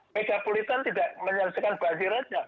megapolitan tidak menyelesaikan banjir saja